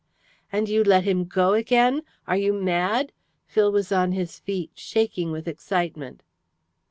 "And you let him go again? Are you mad?" Phil was on his feet, shaking with excitement.